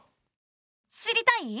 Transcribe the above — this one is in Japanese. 知りたい？